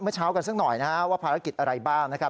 เมื่อเช้ากันสักหน่อยนะฮะว่าภารกิจอะไรบ้างนะครับ